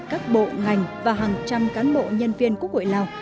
các bộ ngành và hàng trăm cán bộ nhân viên quốc hội lào